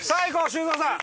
修造さん。